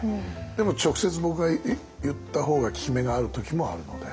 でも直接僕が言った方が効き目がある時もあるので。